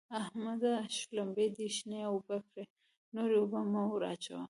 احمده! شلومبې دې شنې اوبه کړې؛ نورې اوبه مه ور اچوه.